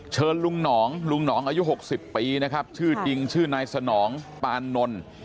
เชิญลุงหนองลุงหนองอายุ๖๐ปีนะครับชื่อจริงชื่อนายสนองปานน